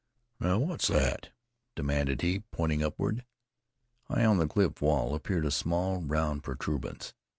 "Now, what's that?" demanded he, pointing upward. High on the cliff wall appeared a small, round protuberance.